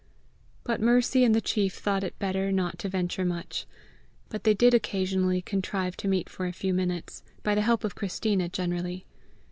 Both Mercy and the chief thought it better not to venture much, but they did occasionally contrive to meet for a few minutes by the help of Christina generally.